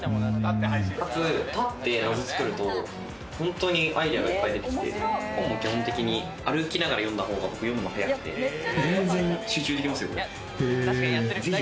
かつ、たって謎作ると本当にアイデアがいっぱい出てきて、基本的に歩きながら読んだ方が読むの早くて、全然集中できますよ。